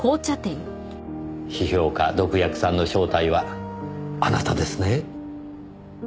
批評家毒薬さんの正体はあなたですね？